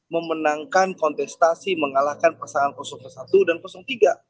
memenangkan kontestasi mengalahkan pasangan satu dan tiga